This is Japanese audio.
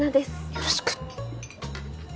よろしく。